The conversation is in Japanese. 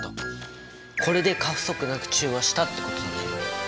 これで過不足なく中和したってことだね。